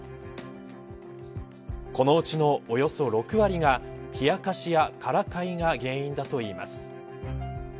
このうちのおよそ６割がひやかしやからかいが原因だといいます。